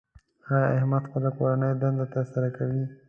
ایا احمد خپله کورنۍ دنده تر سره کوي؟